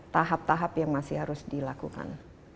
tahap tahap yang masih harus dilakukan